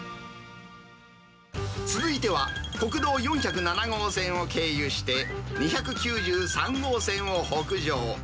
続いては、国道４０７号線を経由して、２９３号線を北上。